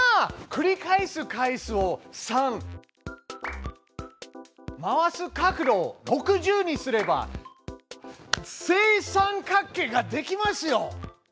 繰り返す回数を「３」回す角度を「６０」にすれば正三角形ができますよ！